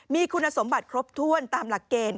มีคุณสมบัติครบถ้วนตามหลักเกณฑ์